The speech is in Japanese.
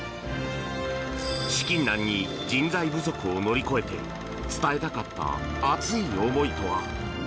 資金難に人材不足を乗り越えて伝えたかった熱い思いとは。